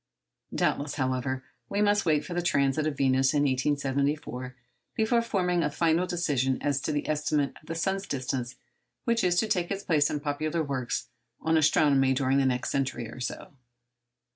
Doubtless, however, we must wait for the transit of Venus in 1874 before forming a final decision as to the estimate of the sun's distance which is to take its place in popular works on astronomy during the next century or so.